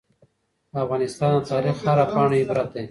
د افغانستان د تاریخ هره پاڼه عبرت دی.